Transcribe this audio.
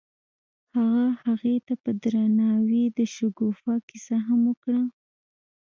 هغه هغې ته په درناوي د شګوفه کیسه هم وکړه.